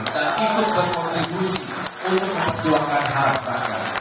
dan ikut berkontribusi untuk memperjuangkan harga